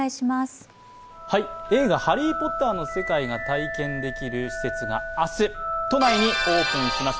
映画「ハリー・ポッター」の世界が体験できる施設が明日、都内にオープンします。